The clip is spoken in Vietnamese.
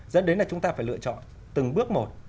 dẫn đến là chúng ta phải lựa chọn từng bước một